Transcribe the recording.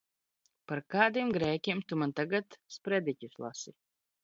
Par kādiem grēkiem tu man tagad sprediķus lasi?